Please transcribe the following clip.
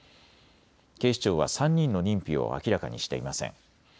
警視庁は３人の認否を明らかにしていません。